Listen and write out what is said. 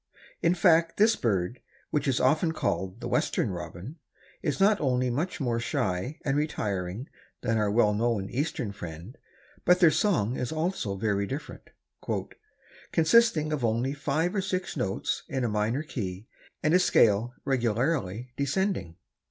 In fact this bird, which is often called the Western Robin, is not only much more shy and retiring than our well known eastern friend, but their song is also very different, "consisting only of five or six notes in a minor key and a scale regularly descending."